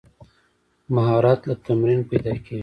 مهارت له تمرین پیدا کېږي.